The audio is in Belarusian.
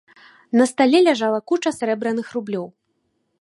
На стале ляжала куча срэбраных рублёў.